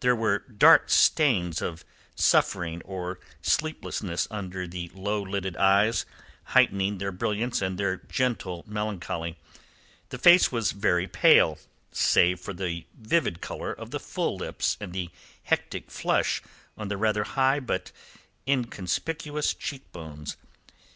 There were dark stains of suffering or sleeplessness under the low lidded eyes, heightening their brilliance and their gentle melancholy. The face was very pale, save for the vivid colour of the full lips and the hectic flush on the rather high but inconspicuous cheek bones.